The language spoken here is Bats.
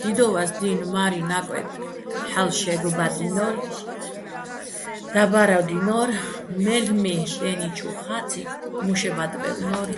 დიდო́ვას დი́ნ მა́რუჲჼ ნაკვეთ ჰ̦ალო̆ შე́გლბადჲნო́რ, დაბა́რადჲინო́რ, მელ'მი დენი ჩუ ხაჸწიჼ მუშებადვაჲლნო́რ.